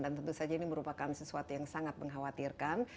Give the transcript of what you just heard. dan tentu saja ini merupakan sesuatu yang sangat mengkhawatirkan